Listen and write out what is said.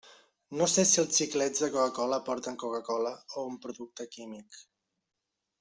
No sé si els xiclets de Coca-cola porten Coca-cola o un producte químic.